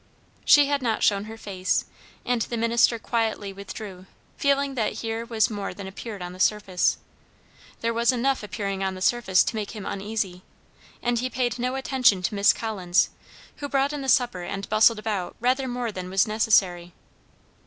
She had not shown her face, and the minister quietly withdrew, feeling that here was more than appeared on the surface. There was enough appearing on the surface to make him uneasy; and he paid no attention to Miss Collins, who brought in the supper and bustled about rather more than was necessary.